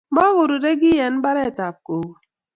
MakurureI kiy mbaret ab kogo